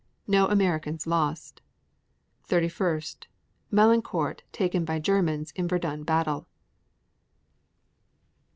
No Americans lost. 31. Melancourt taken by Germans in Verdun Battle.